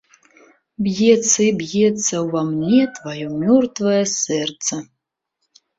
Б'ецца і б'ецца ўва мне тваё мёртвае сэрца.